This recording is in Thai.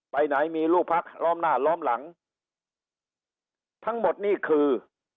ไปไหนมีลูกพักล้อมหน้าล้อมหลังทั้งหมดนี่คือ